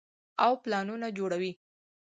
او پلانونه جوړوي -